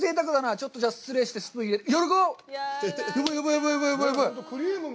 ちょっとじゃあ失礼して、スプーンを。